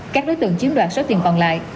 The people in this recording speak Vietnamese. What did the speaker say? các đối tượng chiếm đoạt số tiền còn lại